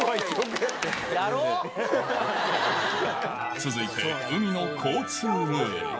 続いて、海の交通ルール。